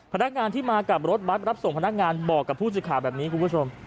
พนักงานที่มากับรถบัตรรับส่งพนักงานบอกกับผู้สื่อข่าวแบบนี้คุณผู้ชม